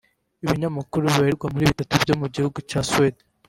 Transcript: Ibinyamakuru bibarirwa muri bitatu byo mu gihugu cya Suede